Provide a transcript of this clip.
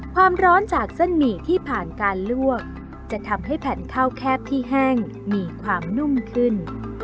ความร้อนจากเส้นหมี่ที่ผ่านการลวกจะทำให้แผ่นข้าวแคบที่แห้งมีความนุ่มขึ้น